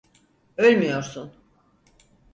Ölmüyorsun.